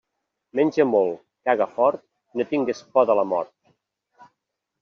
Menja molt, caga fort i no tingues por de la mort.